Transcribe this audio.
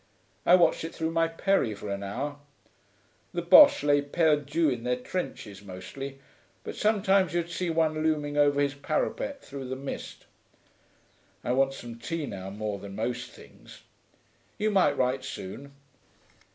I watched it through my peri for an hour. The Boches lay perdu in their trenches mostly, but sometimes you'd see one looming over his parapet through the mist. I want some tea now more than most things. You might write soon.